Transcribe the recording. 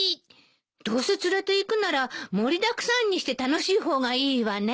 どうせ連れていくなら盛りだくさんにして楽しい方がいいわね。